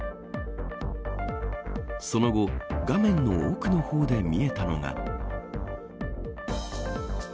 その後画面の奥の方で見えたのが。